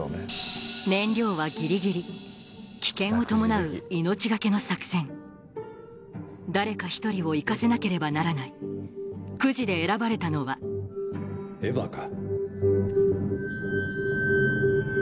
燃料はギリギリ危険を伴う誰か１人を行かせなければならないクジで選ばれたのはエバか。